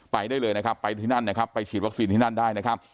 ไปได้เลยนะครับไปที่นั่นนะครับไปฉีดวัคซีนที่นั่นได้นะครับ